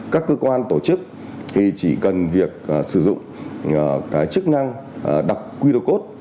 các cơ quan tổ chức thì chỉ cần việc sử dụng cái chức năng đọc quy đồ cốt